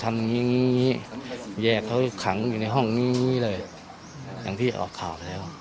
อย่างงี้แยกเขาขังอยู่ในห้องนี้เลยอย่างที่ออกข่าวแล้ว